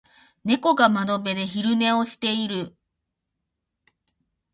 猫が窓辺で昼寝をしている。